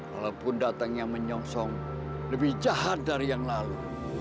walaupun datang yang menyongsong lebih jahat dari yang lalu